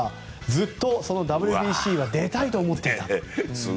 ずっとＷＢＣには出たいと思っていたと。